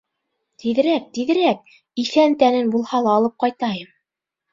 — Тиҙерәк-тиҙерәк, иҫән тәнен булһа ла алып ҡайтайым.